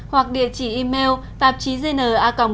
hoặc địa chỉ email tạp chí gn a gmail com